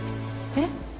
えっ？